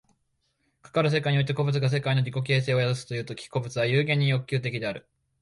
かかる世界において個物が世界の自己形成を宿すという時、個物は無限に欲求的である。